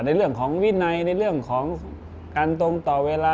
ในเรื่องของวินัยในเรื่องของการตรงต่อเวลา